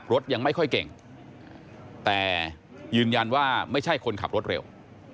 รถยังไม่ค่อยเก่งแต่ยืนยันว่าไม่ใช่คนขับรถเร็ว